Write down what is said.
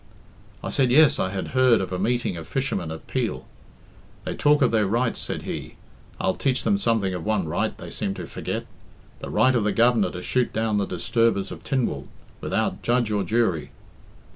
I said, 'Yes, I had heard of a meeting of fishermen at Peel.' 'They talk of their rights,' said he; 'I'll teach them something of one right they seem to forget the right of the Governor to shoot down the disturbers of Tynwald, without judge or jury.'